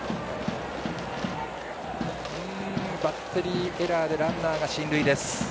バッテリーエラーでランナーが進塁です。